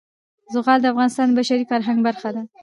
زغال د افغانستان د بشري فرهنګ برخه ده.